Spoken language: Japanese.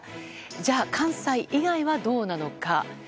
じゃあ関西以外はどうなのか。